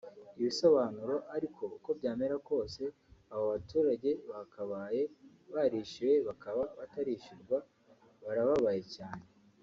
Ibisobanuro ariko uko byamera kose abo baturage bakabaye barishyuwe bakaba batarishyurwa barababaye cyane